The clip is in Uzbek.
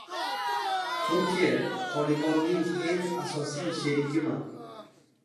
Turkiya "Tolibon"ning eng asosiy sherigimi?